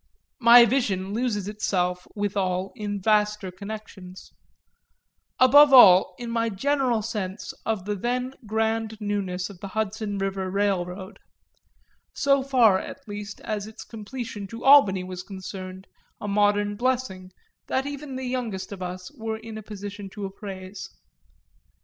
My vision loses itself withal in vaster connections above all in my general sense of the then grand newness of the Hudson River Railroad; so far at least as its completion to Albany was concerned, a modern blessing that even the youngest of us were in a position to appraise.